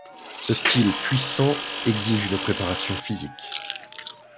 Ce style puissant exige une préparation physique.